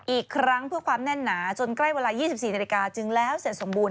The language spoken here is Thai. อีกครั้งเพื่อความแน่นหนาจนใกล้เวลา๒๔นาฬิกาจึงแล้วเสร็จสมบูรณ